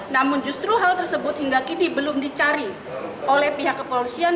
namun justru hal tersebut hingga kini belum dicari oleh pihak kepolisian